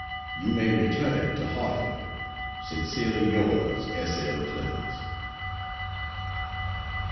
You may return it to Hartford. Sincerely Yours S. L. CLEMENS.